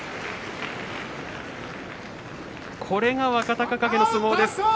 これが若隆景の相撲です。